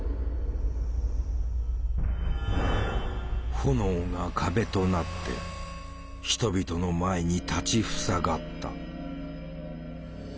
炎が壁となって人々の前に立ち塞がった。